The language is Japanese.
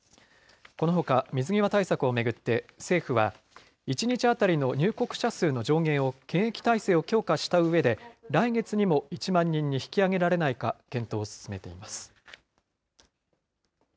このほか、水際対策を巡って、政府は１日当たりの入国者数の上限を、検疫体制を強化したうえで、来月にも１万人に引き上げられないか検討を進めています。